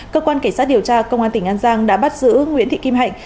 cơ quan cảnh sát điều tra công an tỉnh an giang đã bắt giữ nguyễn thị kim hạnh